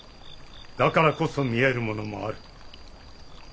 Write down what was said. だからこそ見えるものもある。